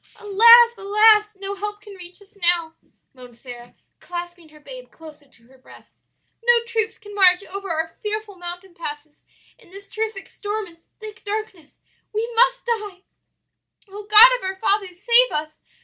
"'Alas, alas, no help can reach us now!' moaned Sara, clasping her babe closer to her breast, 'no troops can march over our fearful mountain passes in this terrific storm and thick darkness. We must die!' "'Oh, God of our fathers, save us!